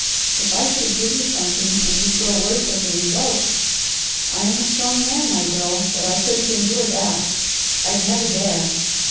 If I should give you something and you'd grow worse as a result I am a strong man, my girl, but I couldn't endure that. I'd never dare.